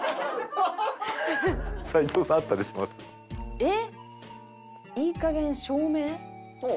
えっ？